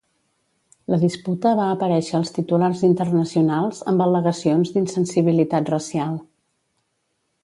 La disputa va aparèixer als titulars internacionals amb al·legacions d"insensibilitat racial.